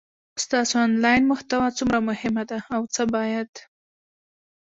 ستاسو انلاین محتوا څومره مهمه ده او څه باید